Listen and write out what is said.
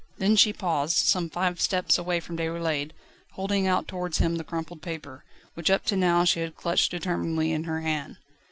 Then she paused, some five steps away from Déroulède, holding out towards him the crumpled paper, which up to now she had clutched determinedly in her hand.